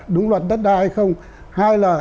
đúng luật đất đa hay không hai là